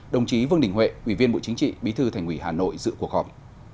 đồng chí vương đình huệ ủy viên bộ chính trị bí thư thành ủy hà nội dự cuộc họp